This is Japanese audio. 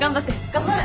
頑張る！